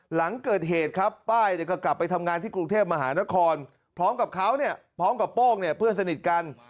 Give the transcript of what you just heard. หลังเกิดเหตุครับป้ายก็กลับไปทำงานที่กรุงเทพมหานครพร้อมกับเขาเนี่ยพร้อมกับโป้งเนี่ยเพื่อนสนิทกัน